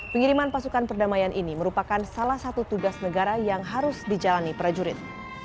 pengiriman pasukan perdamaian ini merupakan salah satu tugas negara yang harus dijalani prajurit